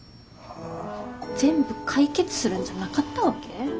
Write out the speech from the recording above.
全部解決するんじゃなかったわけ？